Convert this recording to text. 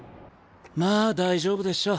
まあ大丈夫でしょ。